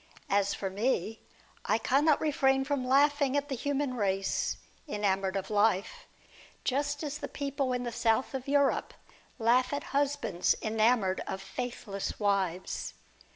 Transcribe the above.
As for me, I cannot refrain from laughing at the human race, enamoured of life, just as the people in the south of Europe laugh at husbands enamoured of faithless wives.